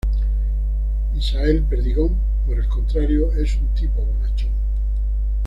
Misael Perdigón, por el contrario, es un tipo bonachón.